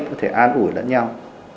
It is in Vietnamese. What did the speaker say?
có thể an ủi lẫn nhau